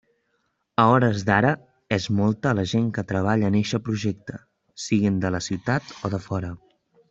A hores d'ara és molta la gent que treballa en eixe projecte, siguen de la ciutat o de fora.